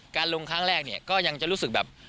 ลงครั้งแรกเนี่ยก็ยังจะรู้สึกแบบ